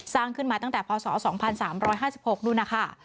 สร้างขึ้นมาตั้งแต่พศ๒๓๕๖นู่นนะคะ